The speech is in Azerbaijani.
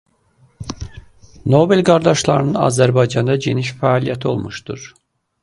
Nobel qardaşlarının Azərbaycanda geniş fəaliyyəti olmuşdur.